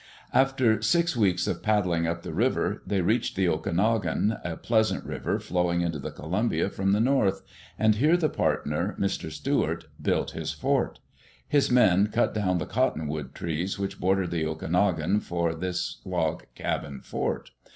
After six weeks of paddling up the river, they reached the Okanogan, a pleasant river flowing into the Columbia from the north, and here the partner, Mr. Stuart, built his fort. His men cut down the cottonwood trees which bordered the Okanogan for this log cabin fort.